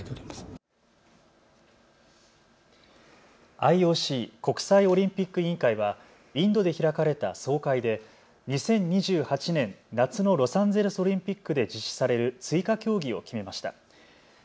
ＩＯＣ・国際オリンピック委員会はインドで開かれた総会で２０２８年夏のロサンゼルスオリンピックで実施される追加競技を決めました。